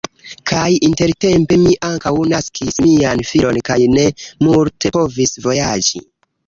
Kaj intertempe mi ankaŭ naskis mian filon kaj ne multe povis vojaĝi.